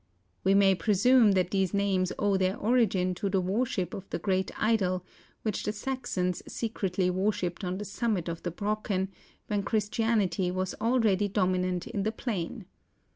We may presume that these names owe their origin to the worship of the great idol which the Saxons secretly worshipped on the summit of the Brocken, when Christianity was already dominant in the plain.